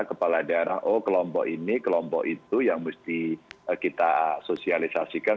kepala daerah oh kelompok ini kelompok itu yang mesti kita sosialisasikan